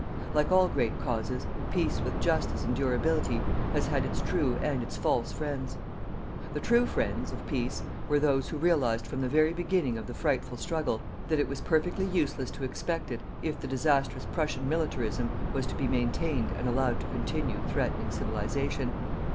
Like all great causes, PEACE WITH JUSTICE AND DURABILITY has had its TRUE and its FALSE friends. The TRUE friends of PEACE were those who realized from the very beginning of the frightful struggle that it was perfectly useless to expect it, if the disastrous Prussian Militarism was to be maintained and allowed to continue threatening Civilization.